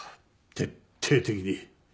徹底的に。